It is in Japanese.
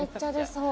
そう。